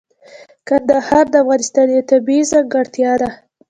کندهار د افغانستان یوه طبیعي ځانګړتیا ده.